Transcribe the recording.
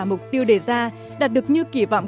mục tiêu đề ra đạt được như kỳ vọng